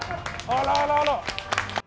あららら。